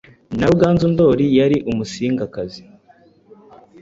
na Ruganzu Ndori, yari Umusingakazi.